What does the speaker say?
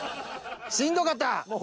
しんどかった？